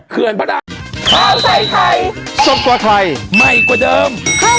เคลื่อนพระดาม